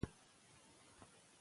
دا پرېکړه په ډېر احتیاط سوې ده.